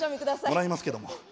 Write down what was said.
もらいますけども。